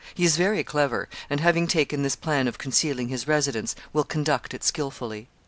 He is very clever; and having taken this plan of concealing his residence, will conduct it skilfully.